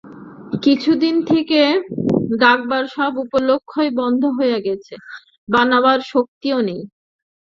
কিছুদিন থেকে ডাকবার সব উপলক্ষই বন্ধ হয়ে গেছে, বানাবার শক্তিও নেই।